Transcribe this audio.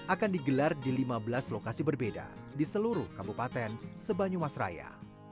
akan digelar di lima belas lokasi berbeda di seluruh kabupaten sebanyumas raya